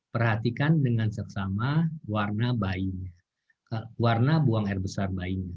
perhatikan dengan saksama warna buang air besar bayinya